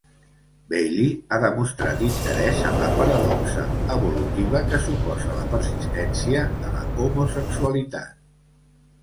Bailey ha demostrat interès en la paradoxa evolutiva que suposa la persistència de la homosexualitat.